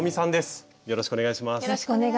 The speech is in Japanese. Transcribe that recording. よろしくお願いします。